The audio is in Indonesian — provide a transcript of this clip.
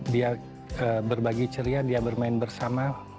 dia berbagi ceria dia bermain bersama